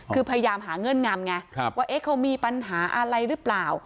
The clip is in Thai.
คือพยายามหาเงื่อนงำไงว่าเขามีปัญหาอะไรหรือเปล่า